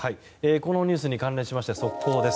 このニュースに関連しまして、速報です。